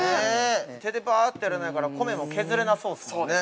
◆手で、ばあってやらないから米も削れなそうですね。